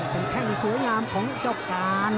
เป็นแข้งสวยงามของเจ้าการ